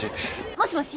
もしもし？